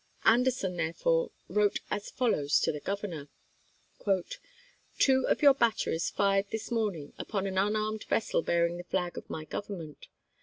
Anderson therefore wrote as follows to the Governor: Two of your batteries fired this morning upon an unarmed vessel bearing the flag of my Government.